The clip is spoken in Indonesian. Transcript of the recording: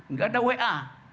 nggak ada wa